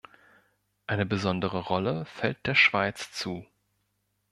Eine besondere Rolle fällt der Schweiz zu.